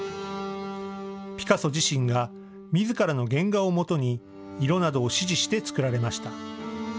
ピカソ自身がみずからの原画をもとに色などを指示して作られました。